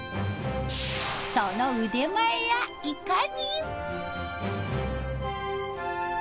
その腕前やいかに。